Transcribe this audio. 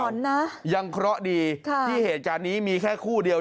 นะยังเคราะห์ดีที่เหตุการณ์นี้มีแค่คู่เดียว